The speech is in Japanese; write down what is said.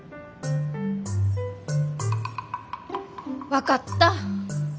分かった。